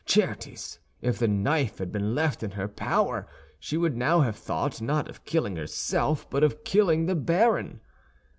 Certes, if the knife had been left in her power, she would now have thought, not of killing herself, but of killing the baron.